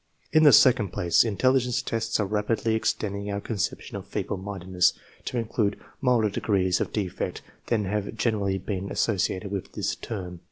In the second place, intelligence tests are rapidly extending our conception of <fc feeble mindedness " to include milder degrees of defect than have generally been associated with this term.